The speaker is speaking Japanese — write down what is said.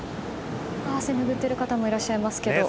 汗ぬぐっている方もいらっしゃいますが。